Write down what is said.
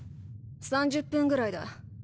３０分ぐらいだ。